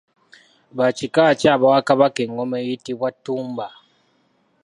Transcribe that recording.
Ba kika ki abaawa Kabaka engoma eyitibwa Ttumba.